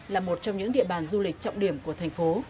là một trong những địa bàn du lịch trọng điểm của thành phố